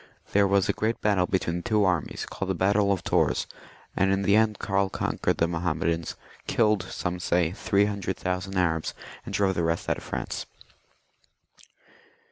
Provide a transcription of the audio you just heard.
There was a great battle between the two armies, called the battle of Tours, and in the end Karl conquered the Mahommedans, killed, some say, three hun* dred thousand Arabs, and drove the rest out of France.